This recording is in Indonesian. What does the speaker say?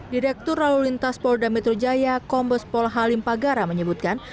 direktur lalu lintas polda metro jaya kombes pol halim pagara menyebutkan